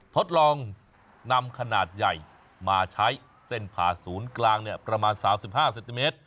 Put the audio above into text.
ทดลองนำขนาดใหญ่มาใช้เส้นผ่าศูนย์กลางประมาณ๓๕เซนติเมตร